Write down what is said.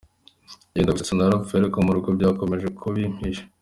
Byenda Gusetsa: "Narapfuye, ariko mu rugo bakomeje kubimpisha".